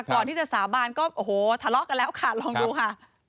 สาบานก็โอ้โหทะเลาะกันแล้วค่ะลองดูค่ะ